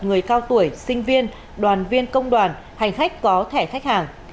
người cao tuổi sinh viên đoàn viên công đoàn hành khách có thẻ khách hàng